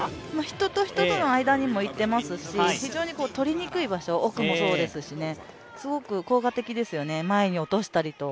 人と人との間にもいっていますし、非常にとりにくい場所、奥もそうですし、すごく効果的ですよね、前に落としたりと。